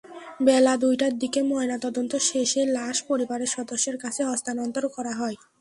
বেলা দুইটার দিকে ময়নাতদন্ত শেষে লাশ পরিবারের সদস্যদের কাছে হস্তান্তর করা হয়।